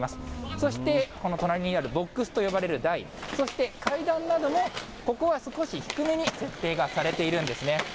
そして、この隣にあるボックスと呼ばれる台、そして階段などもここは少し低めに設定がされているんですね。